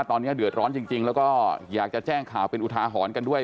ตอนนี้เดือดร้อนจริงแล้วก็อยากจะแจ้งข่าวเป็นอุทาหรณ์กันด้วย